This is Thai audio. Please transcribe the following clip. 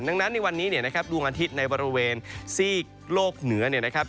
ดังนั้นในวันนี้เนี่ยนะครับดวงอาทิตย์ในบริเวณซีกโลกเหนือเนี่ยนะครับ